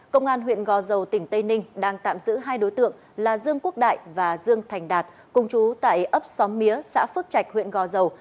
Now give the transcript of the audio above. công an huyện gò dầu tỉnh tây ninh đang tạm giữ hai đối tượng là dương quốc đại và dương thành đạt công chú tại ấp xóm mía xã phước trạch huyện gò dầu